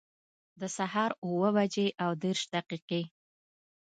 د سهار اووه بجي او دیرش دقیقي